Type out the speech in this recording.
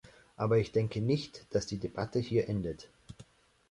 Aber ich denke nicht, dass die Debatte hier endet.